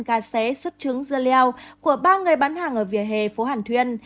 gà xé xuất trứng dưa leo của ba người bán hàng ở vỉa hè phố hàn thuyên